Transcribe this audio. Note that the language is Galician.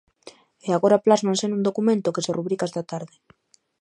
E agora plásmanse nun documento, que se rubrica esta tarde.